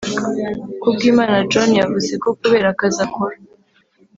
Kubwimana John yavuze ko kubera akazi akora